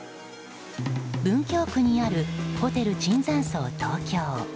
文京区にある、ホテル椿山荘東京。